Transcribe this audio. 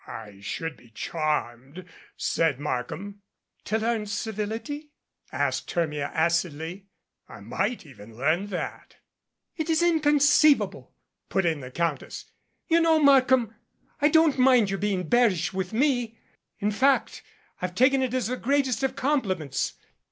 "I should be charmed," said Markham. "To learn civility?" asked Hermia acidly. "I might even learn that " "It is inconceivable," put in the Countess. "You know, Markham, I don't mind your being bearish with me. In fact, I've taken it as the greatest of compliments.